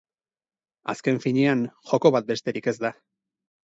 Azken fiñean, joko bat besterik ez da